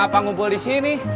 kenapa ngumpul disini